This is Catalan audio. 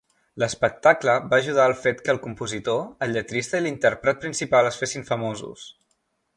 L'espectacle va ajudar al fet que el compositor, el lletrista i l'intèrpret principal es fessin famosos.